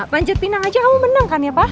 panji pinang aja kamu menang kan ya pak